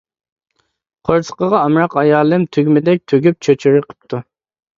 قورسىقىغا ئامراق ئايالىم تۈگمىدەك تۈگۈپ چۆچۈرە قىپتۇ.